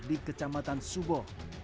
di kecamatan subo